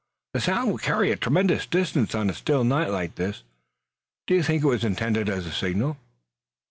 The sound will carry a tremendous distance on a still night like this. Do you think it was intended as a signal?"